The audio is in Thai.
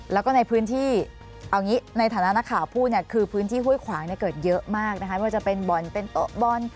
แล้วก็ในพื้นที่เอางี้ในฐานะนักข่าวพูดเนี่ยคือพื้นที่ห้วยขวางเกิดเยอะมากนะคะไม่ว่าจะเป็นบ่อนเป็นโต๊ะบอล